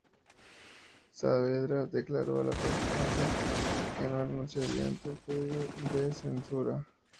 Saavedra declaró a la prensa que no renunciaría ante el pedido de censura.